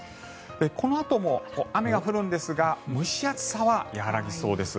このあとも雨が降るんですが蒸し暑さは和らぎそうです。